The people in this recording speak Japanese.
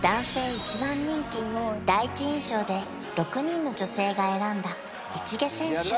１番人気第一印象で６人の女性が選んだ市毛選手